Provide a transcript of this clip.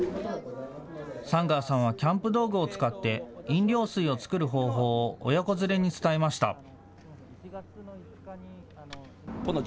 寒川さんはキャンプ道具を使って飲料水を作る方法を親子連れに伝えました。